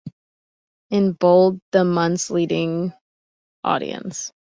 In bold, the months leading audience.